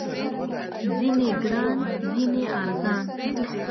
ځینې ګران، ځینې ارزان